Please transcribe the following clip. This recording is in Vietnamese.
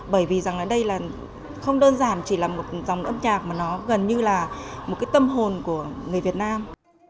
bởi vì rằng là đây là không đơn giản chỉ là một dòng âm nhạc mà nó gần như là một cái tâm hồn của người việt nam